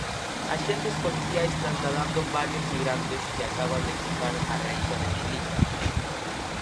Axentes policiais trasladando varios migrantes que acaban de cruzar a reixa de Melilla.